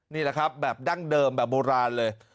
นี่แหละครับแบบดั้งเดิมแบบโบราณเลย